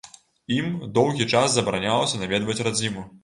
Ім доўгі час забаранялася наведваць радзіму.